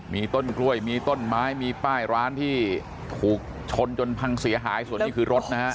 มีต้นกล้วยมีต้นไม้มีป้ายร้านที่ถูกชนจนพังเสียหายส่วนนี้คือรถนะฮะ